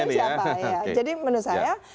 yang gubernur siapa ya jadi menurut saya